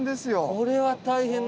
これは大変だ。